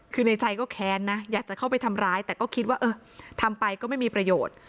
คือในใจก็แค้นนะอยากจะเข้าไปทำร้ายแต่ก็คิดว่าเออทำไปก็ไม่มีประโยชน์